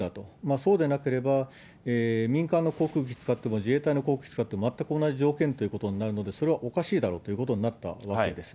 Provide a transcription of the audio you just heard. そうでなければ、民間の航空機使っても自衛隊の航空機使っても全く同じ条件ということになるので、それはおかしいだろうということになったわけです。